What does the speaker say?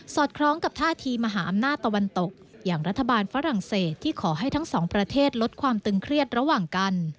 คล้องกับท่าทีมหาอำนาจตะวันตกอย่างรัฐบาลฝรั่งเศสที่ขอให้ทั้งสองประเทศลดความตึงเครียดระหว่างกัน